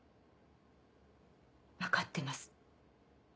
分かってます。